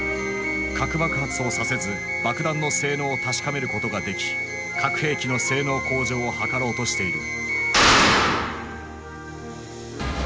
核爆発をさせず爆弾の性能を確かめることができ核兵器の性能向上を図ろうとしている。